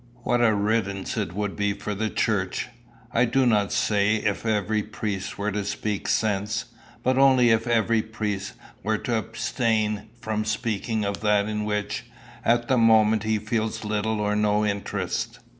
What a riddance it would be for the Church, I do not say if every priest were to speak sense, but only if every priest were to abstain from speaking of that in which, at the moment, he feels little or no interest!